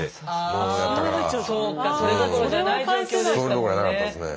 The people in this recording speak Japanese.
うんそれどころじゃなかったですね。